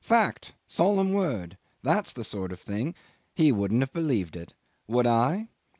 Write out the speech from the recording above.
Fact. Solemn word. That's the sort of thing. .. He wouldn't have believed it. Would I?